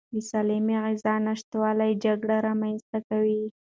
د سالمې غذا نشتوالی جګړې رامنځته کوي.